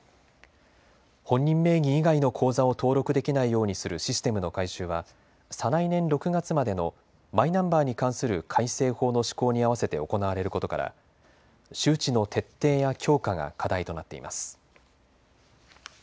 本人名義以外の口座を登録できないようにするシステムの改修は再来年６月までのマイナンバーに関する改正法の施行に合わせて行われることから周知の徹底や強化が課題となっています。